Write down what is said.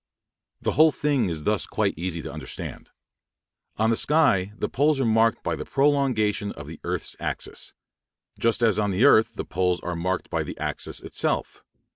The whole thing is thus quite easy to understand. On the sky the poles are marked by the prolongation of the earth's axis, just as on the earth the poles are marked by the axis itself.